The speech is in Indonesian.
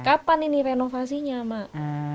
kapan ini renovasinya mak